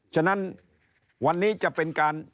ฉะนั้นวันนี้จะเป็นการ